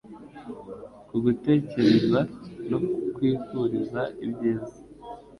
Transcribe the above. Kugutekereza no kukwifuriza ibyiza